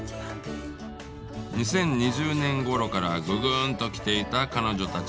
２０２０年ごろからググーンと来ていた彼女たち。